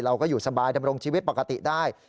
เราก็อยู่สบายดำรงชีวิตปกติได้